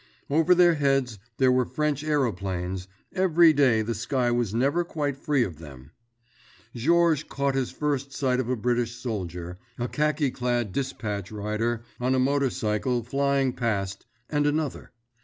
Over their heads there were French aeroplanes, every day the sky was never quite free of them. Georges caught his first sight of a British soldier—a khaki clad dispatch rider on a motorcycle flying past, and another.